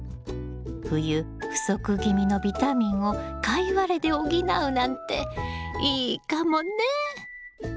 冬不足気味のビタミンをカイワレで補うなんていいかもね！